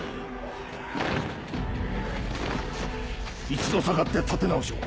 一度下がって立て直しを。